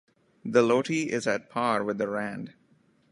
The Loti is at par with the rand.